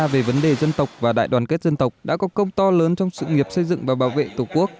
về vấn đề dân tộc và đại đoàn kết dân tộc đã có công to lớn trong sự nghiệp xây dựng và bảo vệ tổ quốc